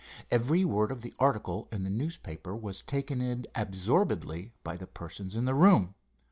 Every word of the article in the newspaper was taken in absorbedly by the persons in the room.